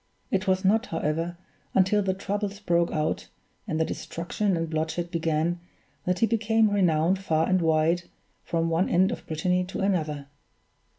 It was not, however, until the troubles broke out, and the destruction and bloodshed began, that he became renowned far and wide, from one end of Brittany to another.